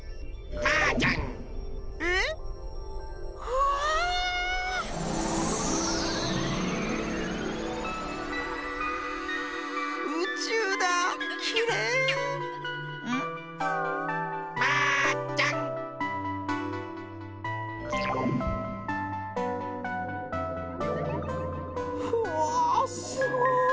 うわあすごい。